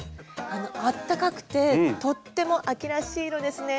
あったかくてとっても秋らしい色ですね。